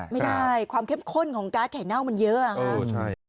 ไม่ได้ความเข้มข้นของการ์ดไข่เน่ามันเยอะ